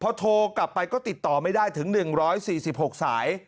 พอโทรกลับไปก็ติดต่อไม่ได้ถึง๑๔๖สาย